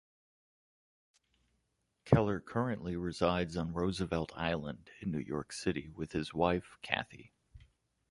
Keller currently resides on Roosevelt Island in New York City with his wife, Kathy.